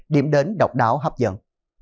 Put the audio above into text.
điểm đến độc đáo hấp dẫn